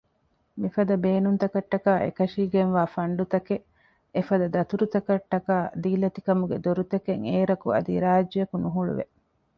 މިފަދަ ބޭނުންތަކަށްޓަކައި އެކަށީގެންވާ ފަންޑުތަކެއް އެފަދަ ދަތުރުތަކަށްޓަކައި ދީލަތި ކަމުގެ ދޮރުތަކެއް އޭރަކު އަދި ރާއްޖެއަކު ނުހުޅުވެ